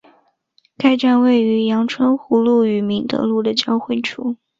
该站位于杨春湖路与明德路的交汇处。